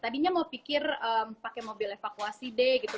tadinya mau pikir pakai mobil evakuasi deh gitu